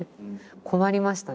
困りましたね。